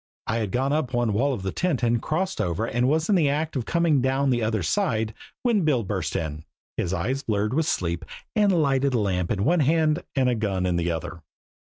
I had gone up one wall of the tent and had crossed over and was in the act of coming down the other side when Bill burst in, his eyes blurred with sleep, a lighted lamp in one hand and a gun in the other.